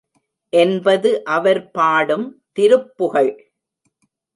என்பது அவர் பாடும் திருப்புகழ்.